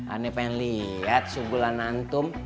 aneh pengen liat su bulan antum